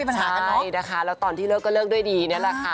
ช้ากันนี่นะคะแล้วตอนที่เลิกก็เลิกด้วยดีนี่แหละค่ะ